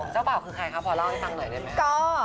เจ้าบ่าวคือใครคะพอเล่าให้ฟังหน่อยได้ไหม